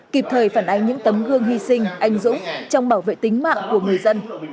kịp thời phản ánh những tấm gương hy sinh anh dũng trong bảo vệ tính mạng của người dân